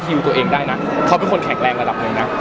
ตัวเองได้นะเขาเป็นคนแข็งแรงระดับหนึ่งนะ